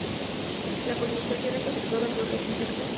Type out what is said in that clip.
La polinización es efectuada por los insectos.